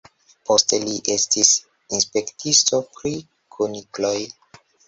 Poste li estis inspektisto pri kunikloj.